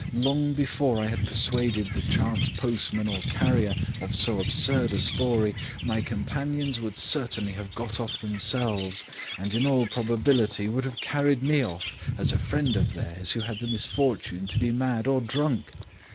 Long before I had persuaded the chance postman or carrier of so absurd a story, my companions would certainly have got off themselves, and in all probability would have carried me off, as a friend of theirs who had the misfortune to be mad or drunk.